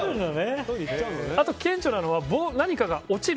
あと顕著なのは何かが落ちる。